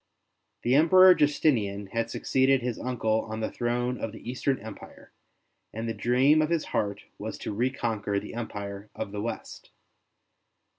The Emperor Justinian had succeeded his uncle on the throne of the Eastern Empire, and the dream of his heart was to reconquer the Empire of the West.